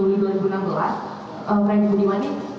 tadi disebutkan bahwa akan melakukan konstitusi mati mati